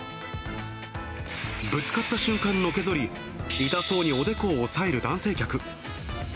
ぶつかった瞬間のけぞり、痛そうにおでこを押さえる男性客。